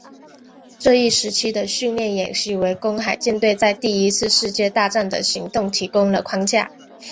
这一时期的训练演习为公海舰队在第一次世界大战的行动提供了框架。